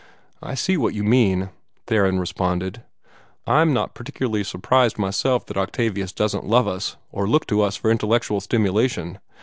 "I see what you mean," Theron responded. "I'm not particularly surprised myself that Octavius doesn't love us, or look to us for intellectual stimulation.